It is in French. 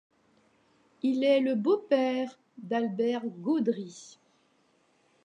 Il est le beau-père d'Albert Gaudry.